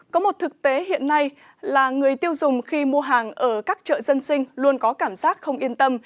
có một thực tế hiện nay là người tiêu dùng khi mua hàng ở các chợ dân sinh luôn có cảm giác không yên tâm